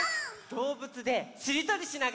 どうぶつでしりとりしながら。